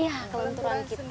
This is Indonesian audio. iya kelenturan kita